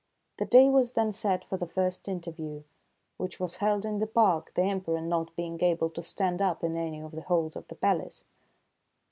The day was then set for the first interview, which was held in the park, the Emperor not being able to stand up in any of the halls of the palace.